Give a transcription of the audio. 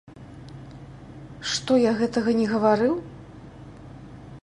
Што я гэтага не гаварыў?